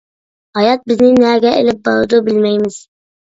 ھايات بىزنى نەگە ئىلىپ بارىدۇ ،بىلمەيمىز !..